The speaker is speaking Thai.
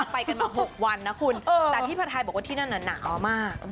ไปกันมา๖วันนะคุณแต่พี่ผัดไทยบอกว่าที่นั่นน่ะหนาวมาก